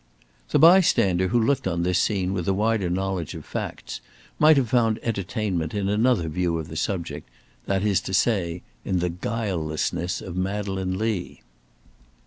The bystander who looked on at this scene with a wider knowledge of facts, might have found entertainment in another view of the subject, that is to say, in the guilelessness ot Madeleine Lee.